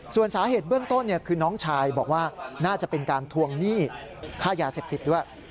ส่วนสาเหตุเบื้องต้นคือน้องชายบอกว่าน่าจะเป็นการทวงหนี้ค่ายาเสพติดด้วย